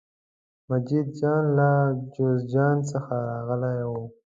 مجید جان له جوزجان څخه راغلی و.